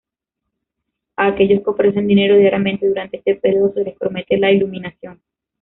A aquellos que ofrecen dinero diariamente durante este periodo se les promete la iluminación.